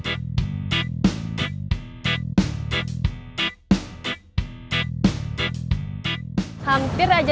bisa jemput aku gak